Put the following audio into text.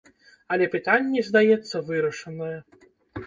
Але пытанне, здаецца, вырашанае.